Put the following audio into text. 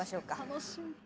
楽しみ。